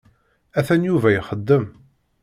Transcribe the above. Atan Yuba ixeddem.